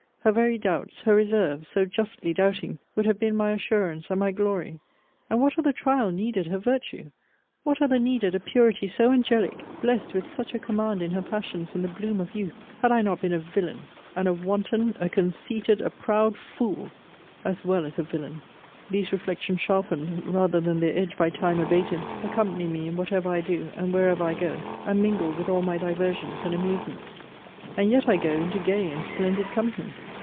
Her very doubts, her reserves, (so justly doubting,) would have been my assurance, and my glory! And what other trial needed her virtue! What other needed a purity so angelic, (blessed with such a command in her passions in the bloom of youth,) had I not been a villain and a wanton, a conceited, a proud fool, as well as a villain? These reflections sharpened, rather than their edge by time abated, accompany me in whatever I do, and wherever I go; and mingle with all my diversions and amusements. And yet I go into gay and splendid company.